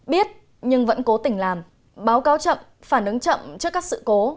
biết nhưng vẫn cố tình làm báo cáo chậm phản ứng chậm trước các sự cố